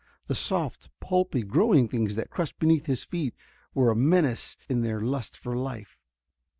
The soft, pulpy, growing things that crushed beneath his feet were a menace in their lust for life.